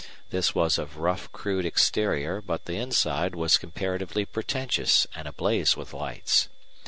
This was of rough crude exterior, but the inside was comparatively pretentious and ablaze with lights.